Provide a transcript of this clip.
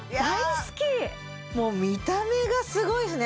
もう見た目がすごいですね